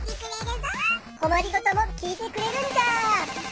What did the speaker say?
こまりごともきいてくれるんじゃ！